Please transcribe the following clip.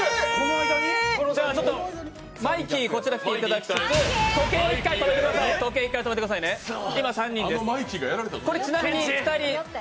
では、マイキーにはこちらに来ていただきつつ、時計を一回止めてくださいね、今３人です。